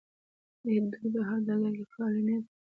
آیا دوی په هر ډګر کې فعالې نه دي؟